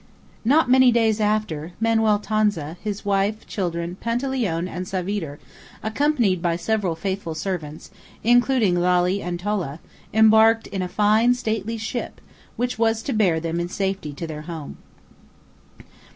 Not many days after, Manuel Tonza, his wife, children, Panteleone, and Savitre, accompanied by several faithful servants, including Lalli and Tolla, embarked in a fine stately ship, which was to bear them in safety to their home.